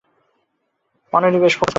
মনোনিবেশে, focus করো।